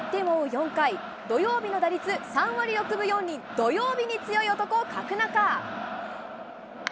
４回、土曜日の打率３割６分４厘、土曜日に強い男、角中。